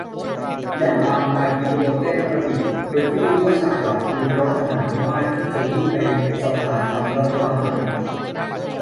อย่างปัง อัดวิดีโอเต้นแอโรบิค โดยไม่รู้ตัวว่าฉากหลังเป็นรถทหารพม่าที่จะวิ่งไปสภาทำรัฐประหาร